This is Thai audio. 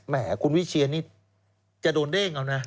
แหมคุณวิเชียนี่จะโดนเด้งเอานะ